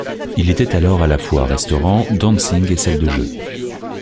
Il était alors à la fois restaurant, dancing et salle de jeux.